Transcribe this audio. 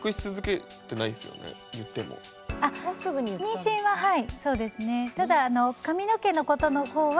妊娠ははいそうですね。